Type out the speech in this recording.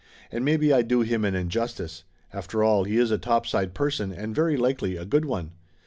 And maybe I do him an injustice. After all, he is a topside person, and very likely a good one."